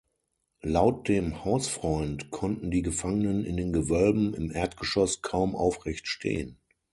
Laut dem "Hausfreund" konnten die Gefangenen in den Gewölben im Erdgeschoss kaum aufrecht stehen.